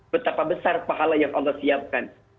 betapa besar pahala yang allah siapkan